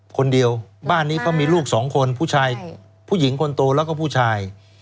คนเดียวบ้านนี้เขามีลูกสองคนผู้ชายผู้หญิงคนโตแล้วก็ผู้ชาย